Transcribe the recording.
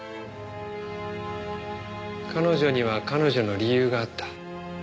彼女には彼女の理由があった。